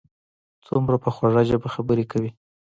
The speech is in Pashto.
څومره په خوږه ژبه خبرې کوي.